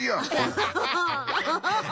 アハハハ。